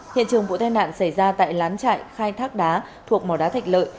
hiện trường vụ tai nạn xảy ra tại lán trại khai thác đá thuộc mỏ đá thạch lợi